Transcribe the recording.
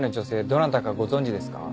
どなたかご存じですか？